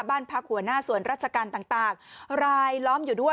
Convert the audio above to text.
บ้านพักหัวหน้าส่วนราชการต่างรายล้อมอยู่ด้วย